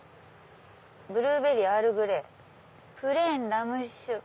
ブルーベリーアールグレイプレーンラム酒。